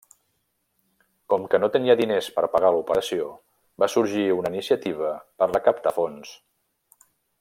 Com que no tenia diners per pagar l'operació va sorgir una iniciativa per recaptar fons.